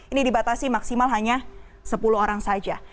ini dibatasi maksimal hanya sepuluh orang saja